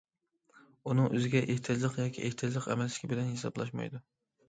ئۇنىڭ ئۆزىگە ئېھتىياجلىق ياكى ئېھتىياجلىق ئەمەسلىكى بىلەن ھېسابلاشمايدۇ.